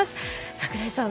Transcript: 櫻井さん